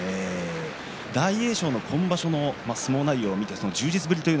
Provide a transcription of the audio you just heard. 大栄翔の今場所の相撲内容を見て充実ぶり